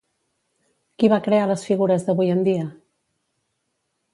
Qui va crear les figures d'avui en dia?